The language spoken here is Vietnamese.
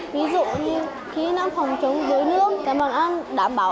ví dụ như kỹ năng phòng chống dưới nước đảm bảo an toàn giao thông